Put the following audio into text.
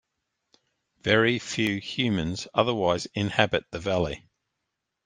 Very few humans otherwise inhabit the valley.